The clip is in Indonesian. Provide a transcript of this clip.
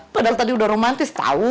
padahal tadi udah romantis tahu